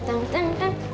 teng ten ten